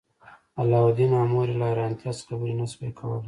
علاوالدین او مور یې له حیرانتیا څخه خبرې نشوای کولی.